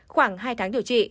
khoảng hai tháng điều trị